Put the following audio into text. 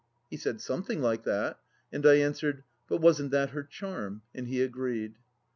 He said, " Something like that "; and I answered : But wasn't that her charm ? And he agreed.